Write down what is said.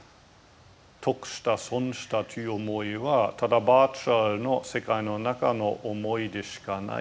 得した損したという思いはただバーチャルの世界の中の思いでしかないと。